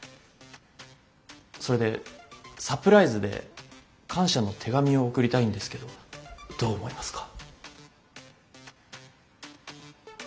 それでサプライズで感謝の手紙を送りたいんですけどどう思いますか？